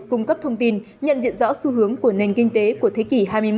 cung cấp thông tin nhận diện rõ xu hướng của nền kinh tế của thế kỷ hai mươi một